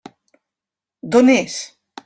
D'on és?